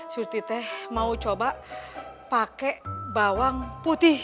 surti teh mau coba pakai bawang putih